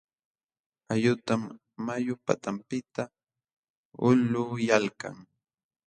Ayutam mayu patanpiqta hulquyalkan.